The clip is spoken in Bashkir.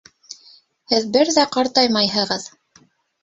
Һеҙ бер ҙә ҡартаймайһығыҙ.